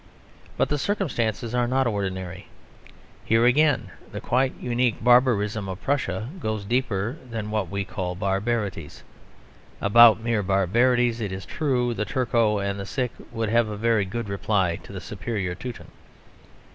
But the circumstances are not ordinary. Here, again, the quite unique barbarism of Prussia goes deeper than what we call barbarities. About mere barbarities, it is true, the Turco and the Sikh would have a very good reply to the superior Teuton.